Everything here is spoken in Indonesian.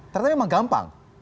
ternyata memang gampang